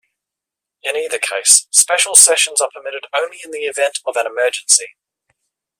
In either case, special sessions are permitted only in the event of an emergency.